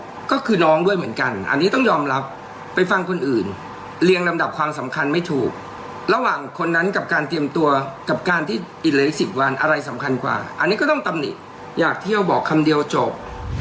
ก็คือน้องด้วยเหมือนกันอันนี้ต้องยอมรับไปฟังคนอื่นเรียงลำดับความสำคัญไม่ถูกระหว่างคนนั้นกับการเตรียมตัวกับการที่อีกหลายสิบวันอะไรสำคัญกว่าอันนี้ก็ต้องตำหนิอยากเที่ยวบอกคำเดียวจบ